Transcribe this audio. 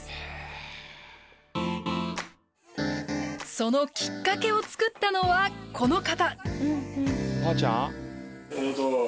そのきっかけを作ったのはこの方。